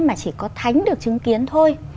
mà chỉ có thánh được chứng kiến thôi